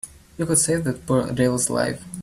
You could save that poor devil's life.